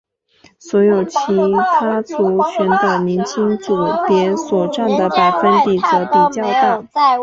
所有其他族群的年轻组别所占的百分比则比较大。